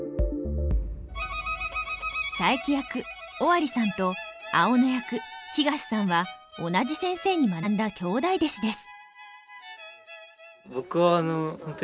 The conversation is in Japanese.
佐伯役尾張さんと青野役東さんは同じ先生に学んだ兄弟弟子です。